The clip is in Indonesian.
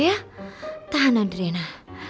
ya tahan adriana